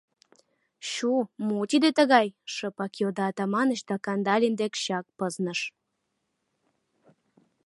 — Чу, мо тиде тыгай? — шыпак йодо Атаманыч да Кандалин дек чак пызныш.